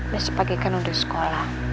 besepak ikan udah sekolah